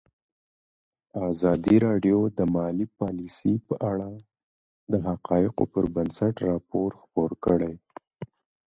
ازادي راډیو د مالي پالیسي په اړه د حقایقو پر بنسټ راپور خپور کړی.